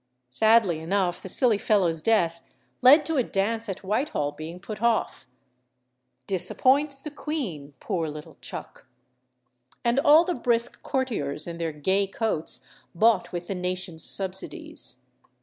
'" Sadly enough, the silly fellow's death led to a dance at Whitehall being put off, "Disappoints the queen, 'poor little chuck!'" and all the brisk courtiers in their gay coats bought with the nation's subsidies.